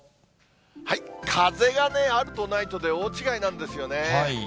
風がね、あるとないとで大違いなんですよね。